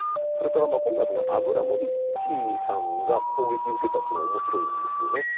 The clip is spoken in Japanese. それから今回、アブラモビッチさんが攻撃を受けたというのが面白いんですね。